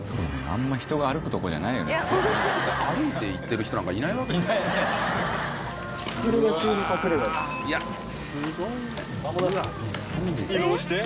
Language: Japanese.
あんま人が歩くとこじゃないよね歩いて行ってる人なんかいないいないねいやすごいな移動して？